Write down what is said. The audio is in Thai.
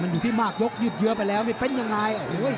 อยู่ที่มากยกยืดเยอะไปแล้วนี่เป็นยังไง